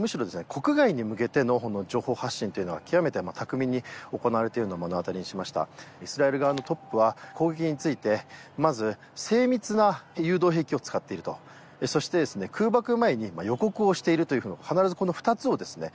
国外に向けての情報発信というのは極めて巧みに行われているのを目の当たりにしましたイスラエル側のトップは攻撃についてまず精密な誘導兵器を使っているとそしてですね空爆前に予告をしていると必ずこの２つをですね